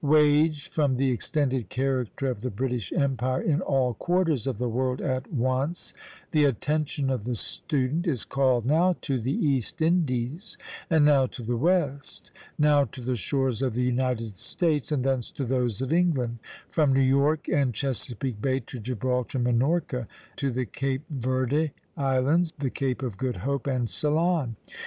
Waged, from the extended character of the British Empire, in all quarters of the world at once, the attention of the student is called now to the East Indies and now to the West; now to the shores of the United States and thence to those of England; from New York and Chesapeake Bay to Gibraltar and Minorca, to the Cape Verde Islands, the Cape of Good Hope, and Ceylon.